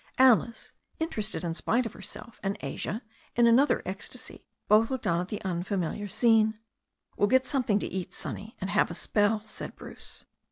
Alice, interested in spite of herself, and Asia, in another ecstasy, both looked on at the tmfamiliar scene. "Well get something to cat, Sonny, and have a spell," said Bruce.